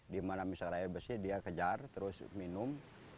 di mana misalnya air bersih dia kejar terus minum